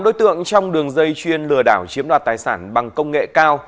năm đối tượng trong đường dây chuyên lừa đảo chiếm đoạt tài sản bằng công nghệ cao